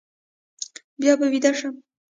بیا به ویده شم.